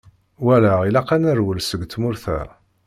walaɣ ilaq ad nerwel seg tmurt-a.